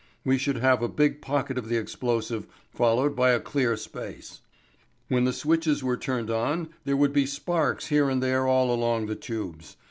We should have a big pocket of the explosive, followed by a clear space. When the switches were turned on there would be sparks here and there all along the tubes.